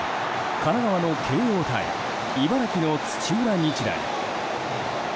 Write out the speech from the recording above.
神奈川の慶應対茨城の土浦日大。